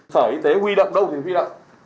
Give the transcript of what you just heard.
sở y tế huy động đâu thì huy động